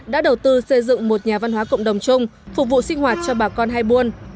đã đầu tư xây dựng một nhà văn hóa cộng đồng chung phục vụ sinh hoạt cho bà con hai buôn